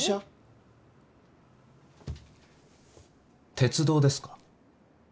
鉄道ですか。